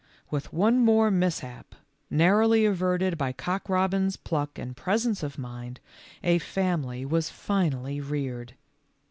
"With one more mishap, narrowly averted by Cock robin's pluck and presence of mind, a family was finally reared.